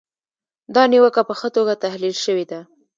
دا نیوکه په ښه توګه تحلیل شوې ده.